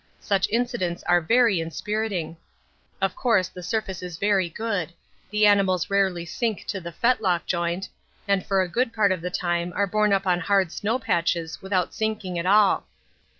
Such incidents are very inspiriting. Of course, the surface is very good; the animals rarely sink to the fetlock joint, and for a good part of the time are borne up on hard snow patches without sinking at all.